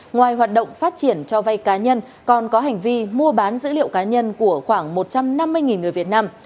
ngoài hoạt động phát triển cho vay cá nhân còn có hành vi mua bán dữ liệu cá nhân của khoảng một trăm năm mươi người việt nam